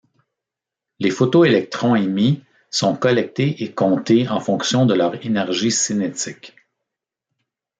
Les photoélectrons émis sont collectés et comptés en fonction de leur énergie cinétique.